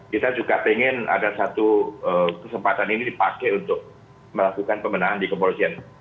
kita juga ingin ada satu kesempatan ini dipakai untuk melakukan pemenahan di kepolisian